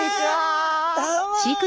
どうも！